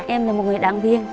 em là một người đảng viên